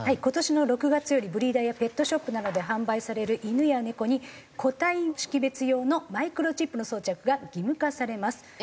今年の６月よりブリーダーやペットショップなどで販売される犬や猫に個体識別用のマイクロチップの装着が義務化されます。